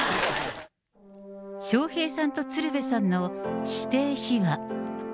笑瓶さんと鶴瓶さんの師弟秘話。